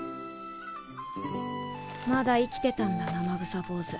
まだ生きてたんだ生臭坊主。